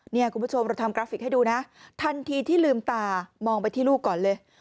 คุณผู้ชมเราทำกราฟิกให้ดูนะทันทีที่ลืมตามองไปที่ลูกก่อนเลย